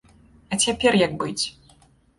А цяпер як быць?